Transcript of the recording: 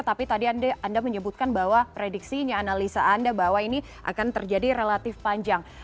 tapi tadi anda menyebutkan bahwa prediksinya analisa anda bahwa ini akan terjadi relatif panjang